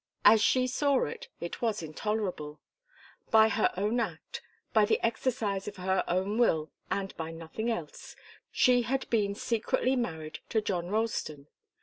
As she saw it, it was intolerable. By her own act, by the exercise of her own will, and by nothing else, she had been secretly married to John Ralston.